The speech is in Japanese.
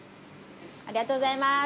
ありがとうございます。